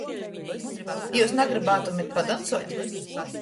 Jius nagrybātumet padoncuot?